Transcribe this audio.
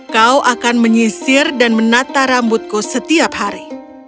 kau akan menyisir dan menata rambutku setiap hari